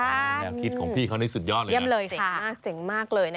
แนวคิดของพี่เขานี่สุดยอดเลยนะ